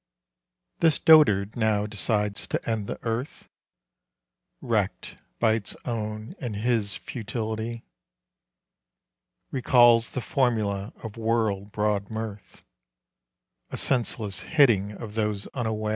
This dotard now decides to end the earth (Wre< ked by its own and Ins futilil Recalls the formula of world broad mirth A senseless hitting of those unav.